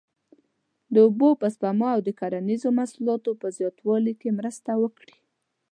د اوبو په سپما او د کرنیزو محصولاتو په زیاتوالي کې مرسته وکړي.